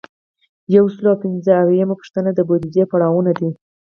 یو سل او پنځه اویایمه پوښتنه د بودیجې پړاوونه دي.